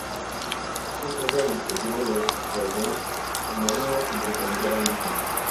Es el centro administrativo del raión homónimo sin pertenecer al mismo.